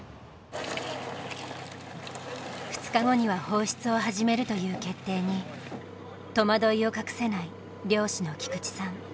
２日後には放出を始めるという決定に戸惑いを隠せない漁師の菊地さん。